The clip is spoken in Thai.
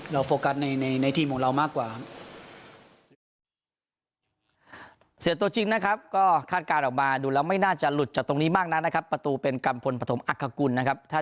เราโฟกัสในทีมของเรามากกว่า